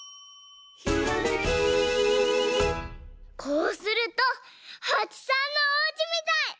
こうするとはちさんのおうちみたい！